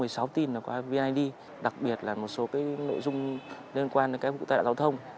các tin là qua vneid đặc biệt là một số cái nội dung liên quan đến cái vụ tai đạo giao thông